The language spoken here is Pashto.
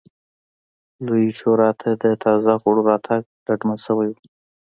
لویې شورا ته د تازه غړو راتګ ډاډمن شوی و.